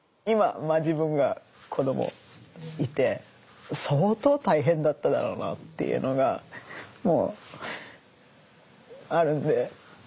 今自分が子どもいて相当大変だっただろうなっていうのがあるんで。